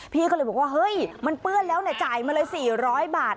พี่ก็เลยบอกว่าเฮ้ยมันเปื้อนแล้วจ่ายมาเลย๔๐๐บาท